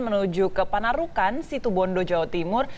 menuju ke panarukan situ bondo jawa timur